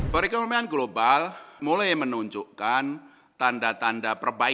perekonomian global mulai menunjukkan tanda tanda perbaikan